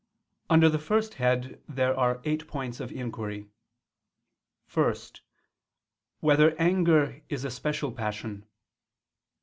Under the first head there are eight points of inquiry: (1) Whether anger is a special passion?